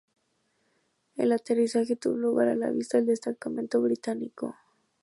El aterrizaje tuvo lugar a la vista del destacamento británico.